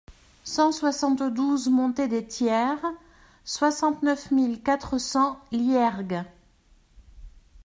cent soixante-douze montée des Tiers, soixante-neuf mille quatre cents Liergues